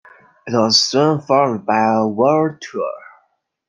It was soon followed by a world tour.